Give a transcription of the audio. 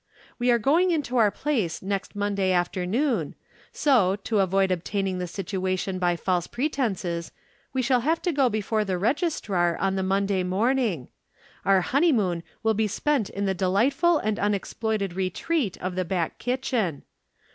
We are going into our place next Monday afternoon, so, to avoid obtaining the situation by false pretences, we shall have to go before the Registrar on the Monday morning. Our honeymoon will be spent in the delightful and unexploited retreat of the back kitchen.